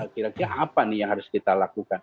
kira kira apa nih yang harus kita lakukan